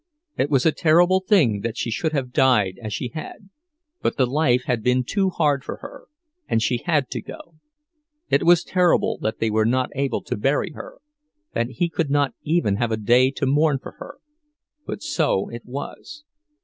It was a terrible thing that she should have died as she had; but the life had been too hard for her, and she had to go. It was terrible that they were not able to bury her, that he could not even have a day to mourn her—but so it was.